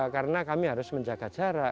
karena kami harus menjaga jarak